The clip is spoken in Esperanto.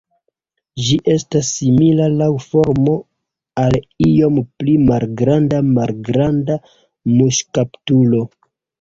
Ĝi estas simila laŭ formo al iom pli malgranda Malgranda muŝkaptulo.